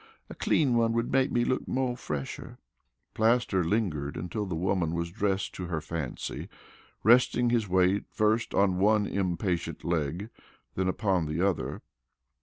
A clean one would make me look mo' fresher." Plaster lingered until the woman was dressed to her fancy, resting his weight first on one impatient leg, then upon the other.